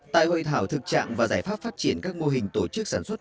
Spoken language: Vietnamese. tại hội thảo thực trạng và giải pháp phát triển các mô hình tổ chức sản xuất